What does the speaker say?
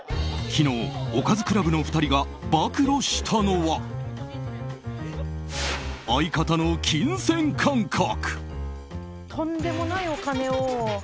昨日、おかずクラブの２人が暴露したのは相方の金銭感覚。